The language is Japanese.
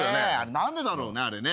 何でだろうねあれね。